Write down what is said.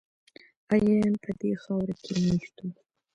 آریایان په دې خاوره کې میشت وو